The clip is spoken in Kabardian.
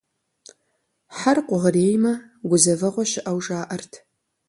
Хьэр къугъуреймэ, гузэвэгъуэ щыӏэу жаӏэрт.